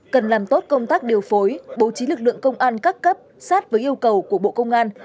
cần làm tốt công tác điều phối bố trí lực lượng công an các cấp sát với yêu cầu của bộ công an